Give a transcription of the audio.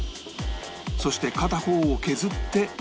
そして片方を削って